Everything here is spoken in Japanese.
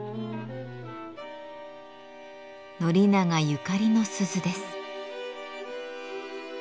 宣長ゆかりの鈴です。